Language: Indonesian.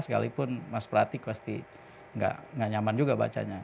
sekalipun mas pratik pasti nggak nyaman juga bacanya